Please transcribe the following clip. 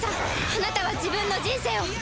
あなたは自分の人生を。